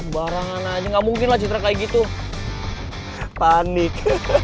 barengan aja gak mungkin lah citra kayak gitu panik